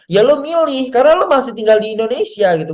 ya lo milih karena lo masih tinggal di indonesia gitu